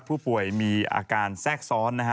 ผู้ป่วยมีอาการแทรกซ้อนนะฮะ